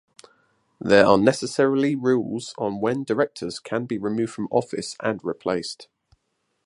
There are necessarily rules on when directors can be removed from office and replaced.